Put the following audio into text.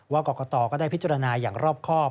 กรกตก็ได้พิจารณาอย่างรอบครอบ